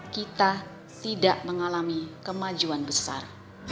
kita tidak mengalami kemajuan besar